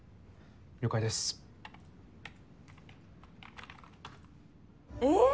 了解です。え！